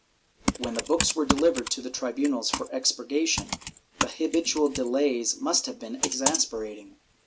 ^ When books were delivered to the tribunals for expurgation, the habitual delays must have been exasperating.